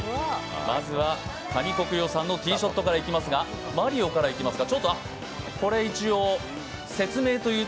まずは上國料さんのティーショットからいきますが、マリオからいきますか？